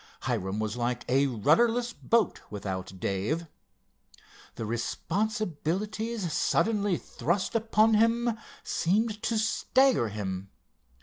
Hiram was like a rudderless boat, without Dave. The responsibilities suddenly thrust upon him seemed to stagger him.